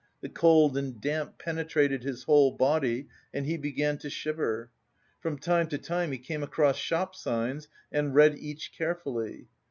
The cold and damp penetrated his whole body and he began to shiver. From time to time he came across shop signs and read each carefully.